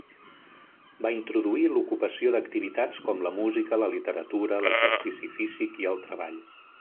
Va introduir l'ocupació d'activitats com la música, la literatura, l'exercici físic i el treball.